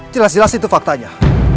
jelas jelas itu faktanya